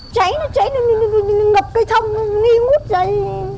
cháy nó cháy nó ngập cây thông nghi ngút rồi